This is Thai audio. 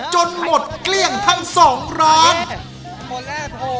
จนหมดเกลี้ยงทั้งสองร้าน